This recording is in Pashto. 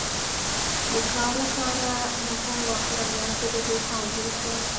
د کار لپاره موټر واخلم یا پرې دوکان جوړ کړم